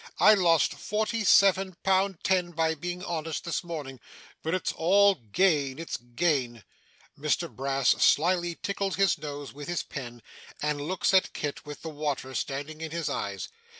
I lost forty seven pound ten by being honest this morning. But it's all gain, it's gain!' Mr Brass slyly tickles his nose with his pen, and looks at Kit with the water standing in his eyes.